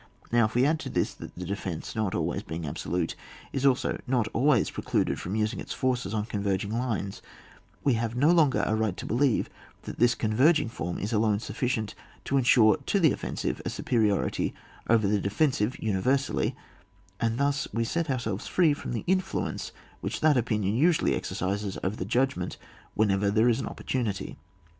Now if we add to this that the defence, not being always absolute, is also not always precluded from using its forces on converging lines, we have no longer a right to believe that this converging form is alone sufficient to ensure to the offen sive a superiority over the defensive uni versally, and thus we set ourselves free from the influence which that opinion usually exercises over the judgment, whenever there is an opportimity.